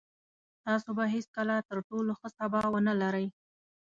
تاسو به هېڅکله تر ټولو ښه سبا ونلرئ.